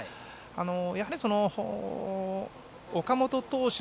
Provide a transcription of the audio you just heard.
やはり、岡本投手